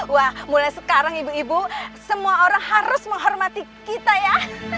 wah mulai sekarang ibu ibu semua orang harus menghormati kita ya